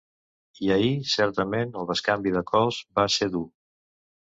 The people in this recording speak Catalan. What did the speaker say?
I ahir, certament, el bescanvi de colps va ser dur.